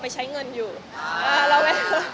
ไม่ค่อยถามถึงแม่แล้ว